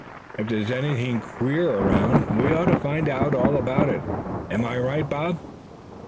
If there's anything queer around, we ought to find out all about it. Am I right, Bob?"